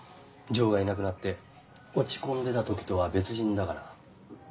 ジョーがいなくなって落ち込んでた時とは別人だから。